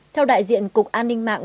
theo đại diện cục an ninh mạng